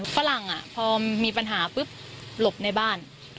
ฝรั่งพอมีปัญหาปุ๊บหลบในบ้าน